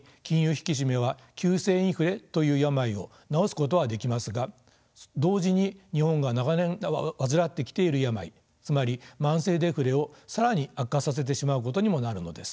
引き締めは急性インフレという病を治すことはできますが同時に日本が長年患ってきている病つまり慢性デフレを更に悪化させてしまうことにもなるのです。